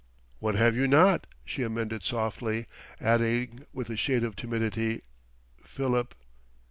"What have you not?" she amended softly, adding with a shade of timidity: "Philip..."